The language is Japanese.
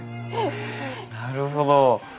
なるほど。